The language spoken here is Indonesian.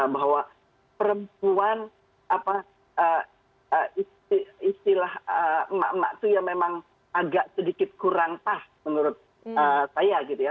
bahwa perempuan istilah emak emak itu ya memang agak sedikit kurang pas menurut saya gitu ya